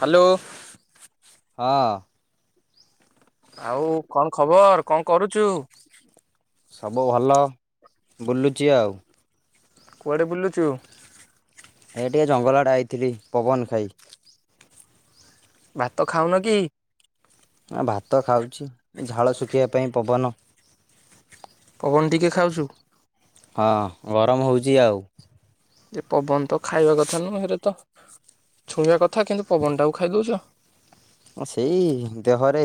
Hello. ହଁ। ଆଉ କଣ ଖବର କଣ କରୁଚୁ? ସବୁ ଭଲ। ବୁଲୁଚି ଆଉ। କୁଆଡେ ବୁଲୁଚୁ? ଏ ଟିକେ ଜଙ୍ଗଲ୍ ଆଡ଼େ ଆଇଥିଲି ପବନ ଖାଇ। ଭାତ ଖାଉନ କି? ଭାତ ଖାଉଛି ଝାଳ ଶୁଖିବା ପାଇଁ ପବନ। ପବନ ଟିକେ ଖାଉଛୁ? ହଁ ଗରମ୍ ହେଉଚି ଆଉ। ଏ ପବନ ତ ଖାଇବା କଥା ନୁହଁ, ହେରେ ତ ଛୁଇଁବା କଥା କିନ୍ତୁ ପବନଟାକୁ ଖାଇଦଉଚ। ହଁ ସେଇ ଦେହରେ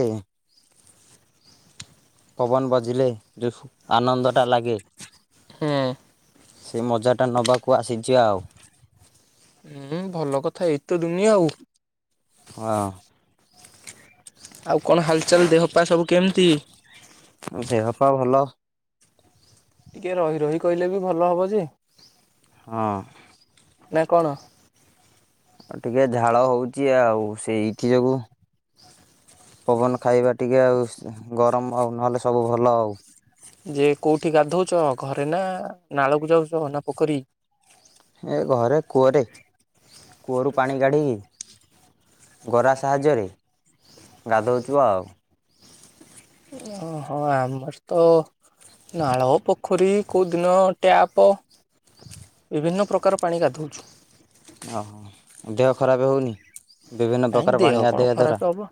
ପବନ ବଜିଲେ ଯୋଉ ଆନନ୍ଦ ଟା ଲାଗେ। ହୁଁ। ସେ ମଜାଟା ନେବାକୁ ଆସିଚି ଆଉ ହୁଁ ଭଲ କଥା ଏଇତ ଦୁନିଆ ଆଉ! ହଁ ଆଉ କଣ ହାଲଚାଲ ଦେହପା ସବୁ କେମିତି? ଦେହପା ଭଲ ଟିକେ ରହି ରହି କହିଲେ ବି ଭଲ ହେବ ଯେ, ହଁ ନା କଣ? ଅ ଟିକେ ଝାଳ ହଉଛି ଆଉ ସେ ଏଇଠି ଯୋଗୁ, ପବନ ଖାଇବା ଟିକେ ଆଉ ଶ୍ ଗରମ ଆଉ ନହେଲେ ସବୁ ଭଲ ଆଉ, ଯେ କୋଉଠି ଗାଧଉଛ ଘରେ ନା ନାଳକୁ ଯାଉଛ ନା ପୋଖରୀ? ଏ ଘରେ କୂଅରେ କୂଅରୁ ପାଣି କାଢ଼ିକି, ଗରା ସାହାଯ୍ୟରେ ଗାଧୋଉଛୁ ଆଉ ଓହୋ ଆମର ତ ନାଳ, ପୋଖରୀ କୋଉଦିନ ଟ୍ୟାପ ବିଭିନ୍ନ ପ୍ରକାର ପାଣି ଗାଧଉଛୁ। ଓ ଦେହ ଖରାପ ହଉନି ବିଭିନ୍ନ ନାଇଁ ପ୍ରକାର ଦେହ ପାଣି କଣ ଗାଧୋଇବା ଖରାପ ଦ୍ଵାରା? ହବ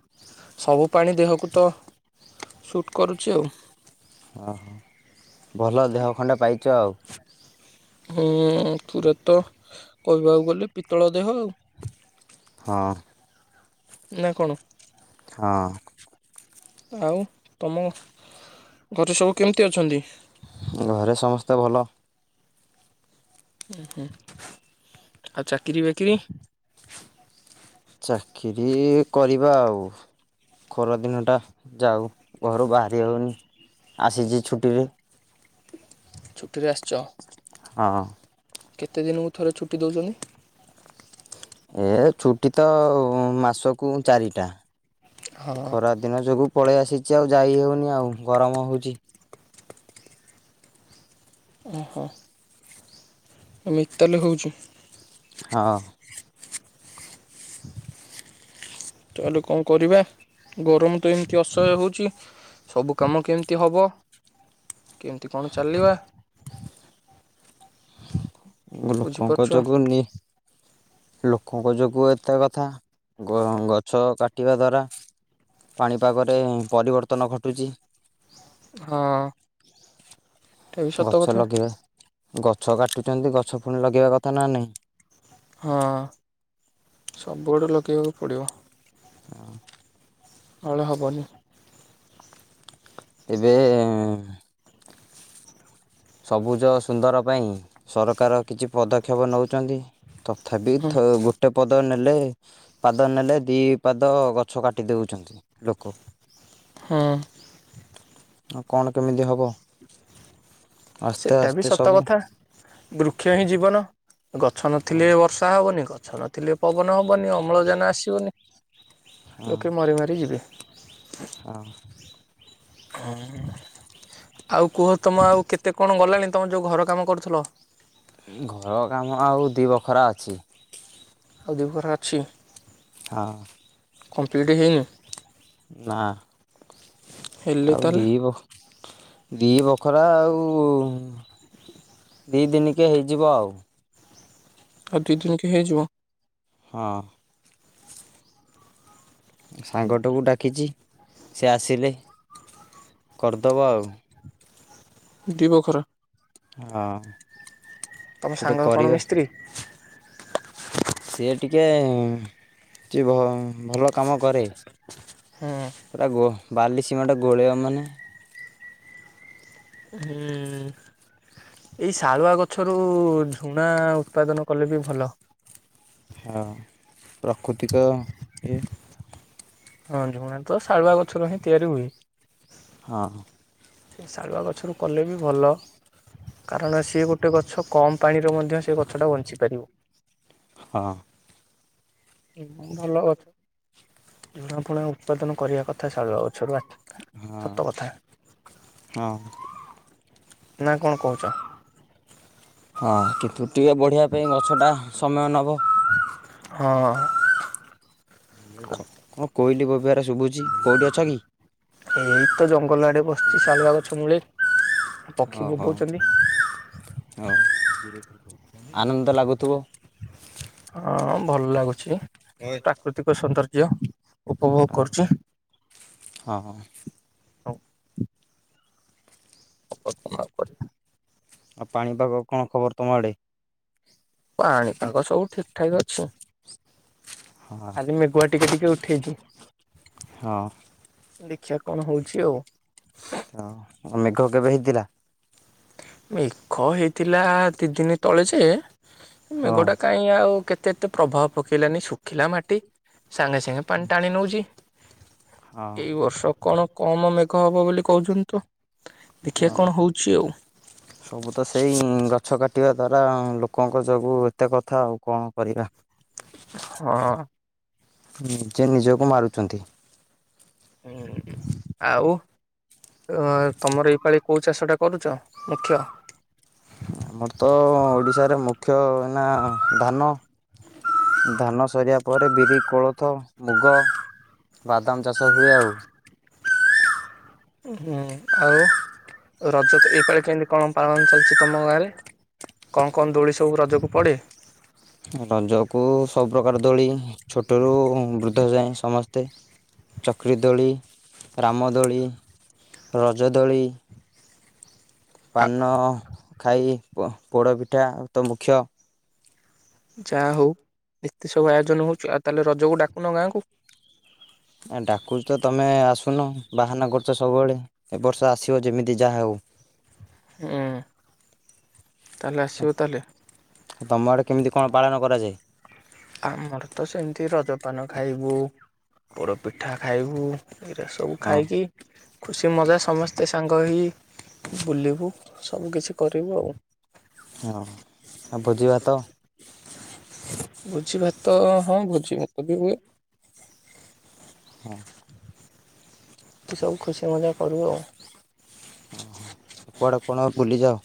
ସବୁ ପାଣି ଦେହକୁ ତ ସୁଟ୍ କରୁଛି ଆଉ, ଓ ହ ଭଲ ଦେହ ଖଣ୍ଡେ ପାଇଛ ଆଉ, ହୁଁ ପୁରା ତ କହିବାକୁ ଗଲେ ପିତ୍ତଳ ଦେହ ଆଉ! ହଁ ନା କଣ? ହଁ ଆଉ ତମ ଘରେ ସବୁ କେମିତି ଅଛନ୍ତି? ଘରେ ସମସ୍ତେ ଭଲ। ହୁଁ ହୁଁ ଆଉ ଚାକିରି ବାକିରି? ଚାକିରି କରିବା ଆଉ! ଖରାଦିନଟା ଯାଉ ଘରୁ ବାହାରି ହେଉନି ଆସିଛି ଛୁଟିରେ, ଛୁଟିରେ ଆସିଛ। ହଁ କେତେ ଦିନକୁ ଥରେ ଛୁଟି ଦେଉଛନ୍ତି? ଏ ଛୁଟି ତ ମାସକୁ ଚାରିଟା, ହଁ ଖରା ଦିନ ଯୋଗୁଁ ପଳେଇ ଆସିଛି ଆଉ ଯାଇ ହେଉନି ଆଉ ଗରମ ହେଉଛି, [inaudible] ଓହୋ ଏମିତ୍ ତାହାଲେ ହଉଛି ହଁ ତାହେଲେ କଣ କରିବା? ଗରମ ତ ଏମିତି ଅସହ୍ୟ ହେଉଛି ସବୁ କାମ କେମିତି ହବ, କେମିତି କଣ ଚାଲିବା, [inaudible] ଲୋକଙ୍କ ବୁଝିପାରୁଛ ଯୋଗୁ ନି ଲୋକଙ୍କ ଯୋଗୁଁ ଏତେ କଥା ଗ ଗଛ କାଟିବା ଦ୍ଵାରା ପାଣିପାଗରେ ପରିବର୍ତ୍ତନ ଘଟୁଛି, ହଁ ଏଟା ବି ସତ ଗଛ କଥା ଲଗେଇବା, ଗଛ କାଟୁଛନ୍ତି ଗଛ ପୁଣି ଲଗେଇବା କଥା ନା ନାହିଁ। ହଁ ସବୁଆଡୁ ଲଗେଇବାକୁ ପଡ଼ିବ। [unintelligible] ହଳ ହବନି। ଏବେ ସବୁଜ ସୁନ୍ଦର ପାଇଁ, ସରକାର କିଛି ପଦକ୍ଷେପ ନେଉଛନ୍ତି ତ ତଥାପି ହୁଁ ଗୋଟେ ପଦ ନେଲେ ପାଦ ନେଲେ ଦି ପାଦ ଗଛ କାଟି ଦେଉଛନ୍ତି ଲୋକ। ହୁଁ। ଆଉ କଣ କେମିତି ହବ? ସେଟା ବି ସତ ସବୁ କଥା, ବୃକ୍ଷ ହିଁ ଜୀବନ ଗଛ ହଁ ନଥିଲେ ବର୍ଷ ର୍ଶା ହବନି, ଗଛ ନଥିଲେ ପବନ ହବନି, ଅମ୍ଳଜାନ ଆସିବନି। ହଁ ଲୋକେ ମରି ମାରି ଯିବେ। ହଁ। ଆଉ କୁହ ତମ ଆଉ କେତେ କଣ ଗଲାଣି ତମ ଯୋଉ ଘର କାମ କରୁଥିଲ। ଘର କାମ ଆଉ ଦିଇ ବଖରା ଅଛି। ଆଉ ଦିଘରା ଅଛି। ହଁ। କମ୍ପ୍ଲିଟ୍ ହେଇନି। ନା। ହେଲେ ଆଉ ତାହେଲେ ଦିିବଖ ଦି ବଖରା ଆଉ ଦି ଦିନିକେ ହେଇଯିବ ଆଉ। ଆଉ ଦି ଦିନ କେ ହେଇଯିବ। ହଁ। ସାଙ୍ଗଟକୁ ଡାକିଛି, ସେ ଆସିଲେ, କରିଦବ ଆଉ। ଦି ବଖରା। ହଁ। ତମ ସେଟା ସାଙ୍ଗ କଣ କରିବା ମିସ୍ତ୍ରୀ? ସିଏ ଟିକେ କିଛି ଭଲ କାମ କରେ। ହୁଁ। ସେଟା ଗୋ ବାଲି ସିମେଣ୍ଟ ଗୋଳେଇବ ମାନେ। ହୁଁ। ଏଇ ଶାଳୁଆ ଗଛରୁ ଝୁଣା ଉତ୍ପାଦନ କଲେ ବି ଭଲ। ହଁ ପ୍ରକୃତିକ ଇଏ। ହଁ, ଝୁଣା ତ ଶାଳୁଆ ଗଛରୁ ହିଁ ତିଆରି ହୁଏ। ହଁ। ସେ ଶାଳୁଆ ଗଛରୁ କଲେ ବି ଭଲ। କାରଣ ସିଏ ଗୋଟେ ଗଛ କମ୍ ପାଣିରେ ମଧ୍ୟ ସେ ଗଛଟା ବଞ୍ଚିପାରିବ। ହଁ। ଭଲ ଗଛ ଝୁଣା ଫୁଣା ଉତ୍ପାଦନ କରିବା କଥା ଶାଳୁଆ ଗଛରୁୁ ଆ ସତ କଥା, ହଁ। ନା କଣ କହୁଛ? ହଁ, କିନ୍ତୁ ଟିକେ ବଢ଼ିବା ପାଇଁ ଗଛଟା ସମୟ ନବ। ହଁ। [inaudible] କଣ କୋଇଲି ବୋବେଇଆର ଶୁଭୁଛି, କୋଉଠି ଅଛ କି? ଏଇ ତ ଜଙ୍ଗଲ ଆଡେ ବସିଛି ସାଳୁଆ ଗଛ ମୂଳେ। ପକ୍ଷୀ ଓହୋ ବୋବୋଉଛନ୍ତି। ହଉ ଆନନ୍ଦ ଲାଗୁଥିବ। ହଁ, ଭଲ ଲାଗୁଛି ଇଏ ପ୍ରାକୃତିକ ସୌନ୍ଦର୍ଯ୍ୟ। ଉପଭୋଗ ଅ କରୁଛି ହଁ। ଆଉ [unintelligible] ଆଉ ପାଣିପାଗ କଣ ଖବର ତମ ଆଡ଼େ? ପାଣିପାଗ ସବୁ ଠିକ୍ ଠାକ୍ ଅଛି। ଖାଲି ମେଘୁଆ ଟିକେ ଟିକେ ଉଠେଇଚି। ହଁ ଦେଖିଆ କଣ ହଉଚି ଆଉ। ଆଉ ମେଘ କେବେ ହେଇଥିଲା? ମେଘ ହେଇଥିଲା ଦି ଦିନି ତଳେ ଯେ ହଁ ମେଘଟା କାଇଁ କାଇଁ ଆଉ କେତେ ଏତେ ପ୍ରଭାବ ପକେଇଲାନି ଶୁଖିଲା ମାଟି ସାଙ୍ଗେ ସାଙ୍ଗେ ପାଣି ଟାଣି ନଉଚି। ହଁ ଏଇ ବର୍ଷ କଣ କମ୍ ମେଘ ହବ ବୋଲି କହୁଚନ୍ତି ତ। ଦେଖିବା ହଁ। କଣ ହଉଚି ଆଉ। ସବୁ ତ ସେଇ ଗଛ କାଟିବା ଦ୍ବାରା ଲୋକଙ୍କ ଯୋଗୁଁ ଏତେ କଥା ଆଉ କଣ କରିବା। ହଁ। ନିଜେ ନିଜକୁ ମାରୁଚନ୍ତି। ହୁଁ ଆଉ। ଅଁ -ତମର ଏଇପାଳି କଉ ଚାଷଟା କରୁଚ ମୁଖ୍ୟ? ଆମର ତ ଓଡିଶାରେ ମୁଖ୍ୟ ହେଲା ଧାନ। ଧାନ ସରିବା ପରେ ବିରି, କୋଳଥ, ମୁଗ, ବାଦାମ୍ ଚାଷ ହୁଏ ଆଉ। ହୁଁ ଆଉ ରଜ ଏଇ ପାଳି କେମିତି କଣ ପାଳନ ଚାଲିଚି ତମ ଗାଁରେ? କଣ୍ କଣ୍ ଦୋଳି ସବୁ ରଜକୁ ପଡ଼େ? ରଜକୁ ସବୁପ୍ରକାର ଦୋଳି ଛୋଟରୁୁ ବୃଦ୍ଧ ଯାଏ ସମସ୍ତେ। ଚକ୍ରିଦୋଳି, ରାମଦୋଳି, ରଜଦୋଳି ପାନ ଖାଇ ବ ପୋଡ଼ପିଠା ତ ମୁଖ୍ୟ। ଯା ହଉ ଏତେ ସବୁ ଆୟୋଜନ ହଉଚି ଆଉ ତାହେଲେ ରଜକୁ ଡାକୁନ ଗାଁକୁ। ଆ ଡାକୁଚି ତ ତମେ ଆସୁନ ବାହାନା କରୁଚ ସବୁବେଳେ ଏ ବର୍ଷ ଆସିବ ଯେମିତି ଯାହା ହଉ। ଏଁ-ତାହେଲେ ଆସିବ ତାହେଲେ। ତମ ଆଡ଼େ କେମିତି କଣ ପାଳନ କରାଯାଏ [unintelligible] ଆମର ତ ସେମିତି ରଜପାନ ଖାଇବୁ ପୋଡ ପିଠା ଖାଇବୁ ଏରା ସବୁ ହଁ ଖାଇକି ଖୁସି ମଜା ସମସ୍ତେ ସାଙ୍ଗ ହେଇ ବୁଲିବୁ ସବୁ କିିଛି କରିବୁ ଆଉ। ହଁ ଆଉ ଭୋଜିଭାତ। ଭୋଜି ଭାତ ହଁ ଭୋଜି ଭାତ ବି ହୁଏ। [unintelligible] ଏମିତି ସବୁ ଖୁସି ମଜା କରୁ ଆଉ। କୁଆଡ଼େ କଣ ବୁଲିଯାଅ?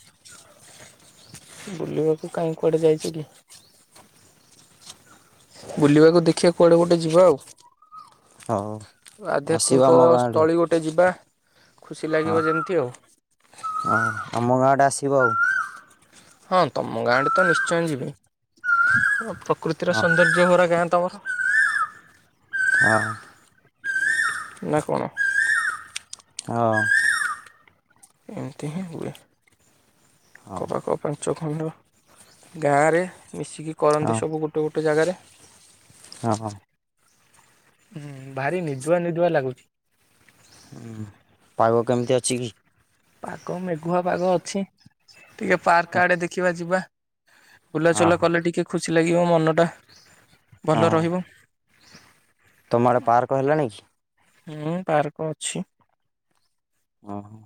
ବୁଲିବାକୁ କାଇଁ କୁଆଡେ ଯାଇଚି କି। ବୁଲିବାକୁ ଦେଖିବା କୁଆଡେ ଗୋଟେ ଯିବା ଆଉ। ହଉ ଆସିବ ଆଧ୍ୟାତ୍ମିକ ଆମ ଗାଁ ଆଡ଼େ ସ୍ଥଳି ଗୋଟେ ଯିବା ଖୁସି ହଁ ଲାଗିବ ଯେମିତି ଆଉ। ହଁ ଆମ ଗାଁ ଆଡେ ଆସିବ ଆଉ। ହଁ ତମ ଗାଁ ଆଡେ ତ ନିଶ୍ଚୟ ଯିବି ପ୍ରକୃତିର ହଁ ସୌନ୍ଦର୍ଯ୍ୟ ଭରା ଗାଁ ତମର। [unintelligible] ନା କଣ? ହଁ। ଏମତି ହିଁ ହୁଏ ହଁ [unintelligible] ପାଞ୍ଚ ଖଣ୍ଡ ଗାଁରେ ମିଶିକି ହଁ କରନ୍ତି ସବୁ ଗୋଟେ ଗୋଟେ ଜାଗାରେ। ନାଁ- ହଁ। ହୁଁ- ଭାରି ନିଦୁଆ ନିଦୁଆ ଲାଗୁଚି। ହୁଁ ପାଗ କେମିତି ଅଛି କି? ପାଗ ମେଘୁଆ ପାଗ ଅଛି ଟିକେ ପାର୍କ ଆଡ଼େ ଦେଖିବା ଯିବା। ହଁ ବୁଲାଚଲା କଲେ ଟିକେ ଖୁସି ଲାଗିବ ମନ ଟା। ଭଲ ହଁ ରହିବ। ତମ ଆଡ଼େ ପାର୍କ ହେଲାଣି କି? ହୁଁ- ପାର୍କ ଅଛି। ଅ ହଁ।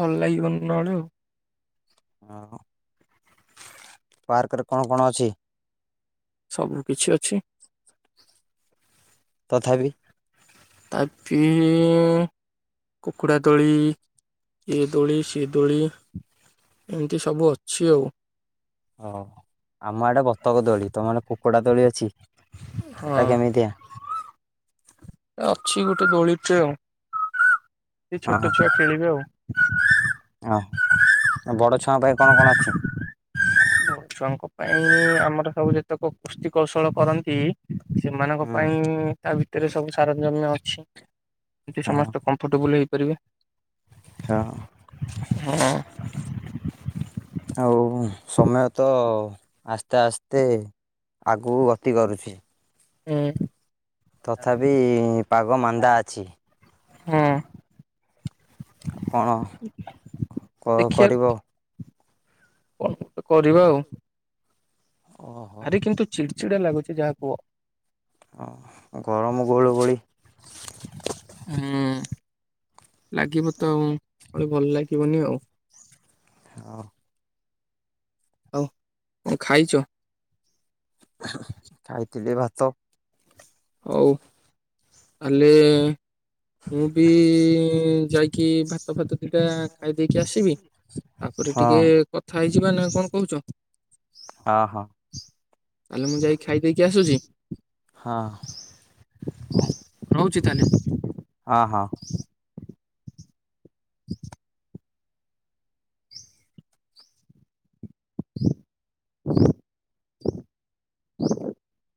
ଭଲ ଲାଗିବନି ନଏଲେ ଆଉ। ହଁ। ପାର୍କରେ କଣ କଣ ଅଛି? ସବୁ କିଛି ଅଛି। ତଥାବି? ତାପି କୁକୁଡ଼ା ଦୋଳି ଇଏ ଦୋଳି ସିଏ ଦୋଳି। ଏମିତି ସବୁ ଅଛି ଆଉ। ହଉ ଆମ ଆଡ଼େ ବତକ ଦୋଳି ତମ ଆଡେ କୁକୁଡ଼ା ଦୋଳି ଅଛି ହଁ ସେଟା କେମିତିଆ? ଅଛି ଗୁଟେ ଦୋଳିଟେ ଆଉ। ସେ ଅ ଛୋଟ ହଁ ଛୁଆ ଖେଳିବେ ଆଉ ଅ ହଁ ବଡ଼ ଛୁଆଙ୍କ ପାଇଁ କଣ କଣ ଅଛି? ବଡ ଛୁଆଙ୍କ ପାଇଁ ଆମର ସବୁ ଯେତକ କୁସ୍ତି କୌଶଳ କରନ୍ତି ସେମାନଙ୍କ ହୁଁ ପାଇଁ ତା ଭିତରେ ସବୁ ସାରଞ୍ଜମ୍ୟ ଅଛି ଏଠି ହଁ ସମସ୍ତେ କ ଫୁଟୁବଲ୍ ହେଇ ପାରିବେ? ଛ ଆଁ। ଉଁ। ଆଉ ସମୟ ତ ଆସ୍ତେ ଆସ୍ତେ ଆଗୁକୁ ଗତି କରୁଛି। ଉଁ। ତଥାବି ପାଗ ମାନ୍ଦା ଆଛି। ହଁ ଆଉ କଣ କ ଦେଖିବା କରିବ? କଣ ଗୋଟେ କରିବା ଆଉ। ଓହୋ ଭାରି କିନ୍ତୁ ଚିଡ଼୍ ଚିଡ଼ା ଲାଗୁଚି ଯାହାକୁହ। ହଁ ଅ ଗରମ ଗୁଳୁ ଗୁଳି ହୁଁ। ଲାଗିବ ତ ଆଉ ଆଉ ଭଲ୍ ଲାଗିବନି ଆଉ। ଅ। ଆଉ କଣ ଖାଇଚ? ଖାଇ ଥିଲି ଭାତ। ହଉ ଆଲି ମୁଁ ବି ଯାଇ କି ଭାତ ଫାତ ଦିଟା ଖାଇ ଦେଇକି ଆସିବି ତାପରେ ହଁ ଟିକେ କଥ ଥାଇ ଜିବା ନାଁ କଣ କହୁଚ? ହଁ ହଁ ତାଲେ ମୁଁ ଯାଇ ଖାଇ ଦେଇକି ଆସୁଛି। ହଁ ରଉଚି ତାଲେ। ହଁ ହଁ। [inaudible] [inaudible] [inaudible]